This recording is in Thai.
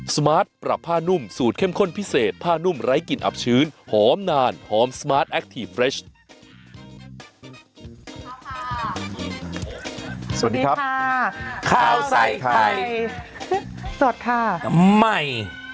สวัสดีครับข้าวใส่ไทยสวัสดีค่ะไม่